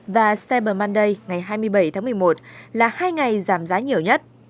và monday ngày hai mươi bảy tháng một mươi một là hai ngày giảm giá nhiều nhất